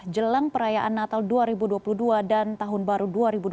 jelang perayaan natal dua ribu dua puluh dua dan tahun baru dua ribu dua puluh